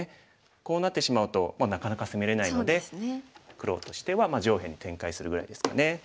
こうなってしまうともうなかなか攻めれないので黒としては上辺に展開するぐらいですかね。